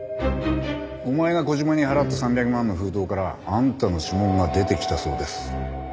お前が小島に払った３００万の封筒からあんたの指紋が出てきたそうです。